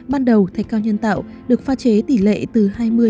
ban đầu thạch cao nhân tạo được pha chế tỷ lệ từ hai mươi năm mươi